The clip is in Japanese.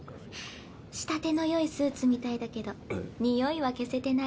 仕立てのよいスーツみたいだけどにおいは消せてない。